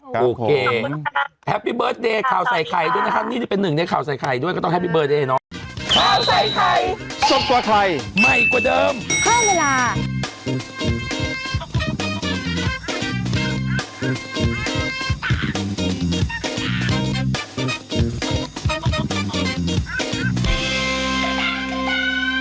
ค่ะให้ไม่ไหวนะคะนะคะโอเคขอบคุณค่ะสวัสดีค่ะนี่เป็น๑ในข่าวใส่ไข่ด้วยก็ต้องแฮปปี้เบิร์ดเดย์เนอะ